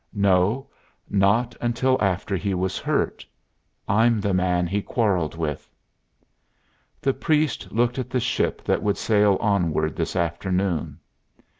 "No; not until after he was hurt. I'm the man he quarreled with." The priest looked at the ship that would sail onward this afternoon.